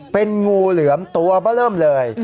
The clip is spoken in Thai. เป็นงูเหลือมตัวเบอร์เริ่มเลย